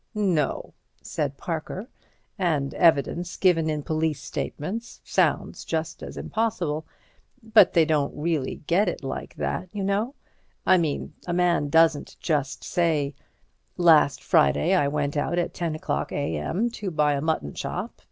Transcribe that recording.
"No," said Parker, "and evidence given in police statements sounds just as impossible. But they don't really get it like that, you know. I mean, a man doesn't just say, 'Last Friday I went out at ten o'clock a. m. to buy a mutton chop.